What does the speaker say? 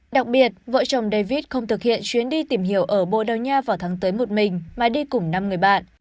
đặc biệt vợ chồng david không thực hiện chuyến đi tìm hiểu ở bồ đào nha vào tháng tới một mình mà đi cùng năm người bạn